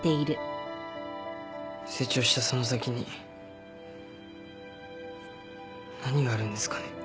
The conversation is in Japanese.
成長したその先に何があるんですかね。